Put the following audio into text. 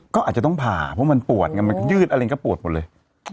ก็อาจจะต้องผ่าเพราะมันปวดไงมันยืดอะไรก็ปวดหมดเลย